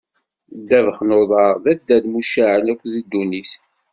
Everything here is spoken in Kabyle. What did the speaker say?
Ddabex n uḍar d addal mucaεen akk di ddunit.